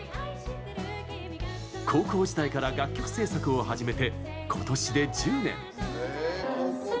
高校時代から楽曲制作を始めて今年で１０年。